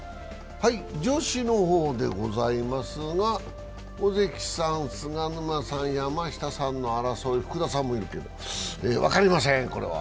女子の方でございますが、尾関さん、菅沼さん、山下さんの戦い、福田さんもいるけど、分かりません。